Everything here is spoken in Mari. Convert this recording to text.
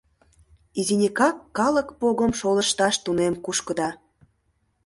Изинекак калык погым шолышташ тунем кушкыда...